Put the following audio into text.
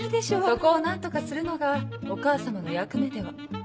そこを何とかするのがお母様の役目では？